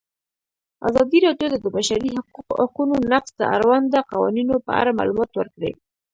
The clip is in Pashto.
ازادي راډیو د د بشري حقونو نقض د اړونده قوانینو په اړه معلومات ورکړي.